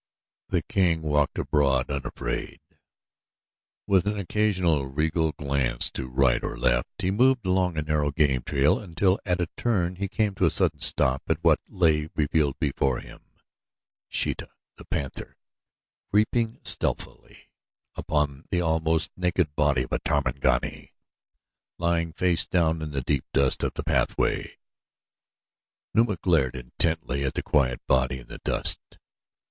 The king walked abroad, unafraid. With an occasional regal glance to right or left he moved along a narrow game trail until at a turn he came to a sudden stop at what lay revealed before him Sheeta, the panther, creeping stealthily upon the almost naked body of a Tarmangani lying face down in the deep dust of the pathway. Numa glared intently at the quiet body in the dust.